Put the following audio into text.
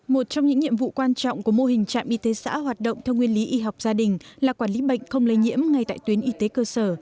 một trong những nhiệm vụ quan trọng của mô hình trạm y tế xã hoạt động theo nguyên lý y học gia đình là quản lý bệnh không lây nhiễm ngay tại tuyến y tế cơ sở